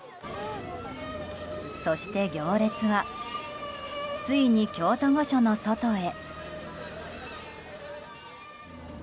そして行列はついに京都御所の外へ。